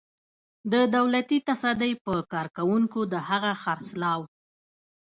د دولتي تصدۍ په کارکوونکو د هغه خرڅلاو.